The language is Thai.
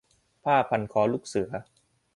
- ผ้าพันคอลูกเสือ